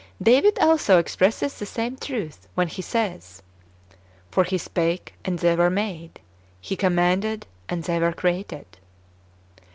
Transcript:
David also expresses the same truth [when he says], " For He spake, and they w^re made ; He commanded, and they were created."""